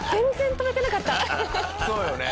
そうよね。